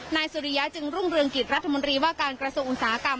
สุริยะจึงรุ่งเรืองกิจรัฐมนตรีว่าการกระทรวงอุตสาหกรรม